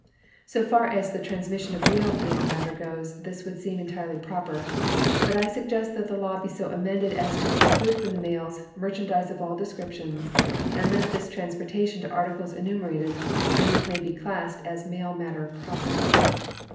So far as the transmission of real mail matter goes, this would seem entirely proper; but I suggest that the law be so amended as to exclude from the mails merchandise of all descriptions, and limit this transportation to articles enumerated, and which may be classed as mail matter proper.